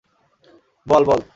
বল, বল।